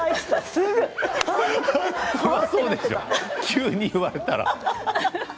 急に言われたらね。